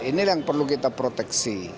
ini yang perlu kita proteksi